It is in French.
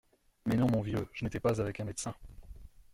Mais non, mon vieux, je n’étais pas avec un médecin.